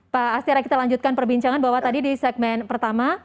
pak astira kita lanjutkan perbincangan bahwa tadi di segmen pertama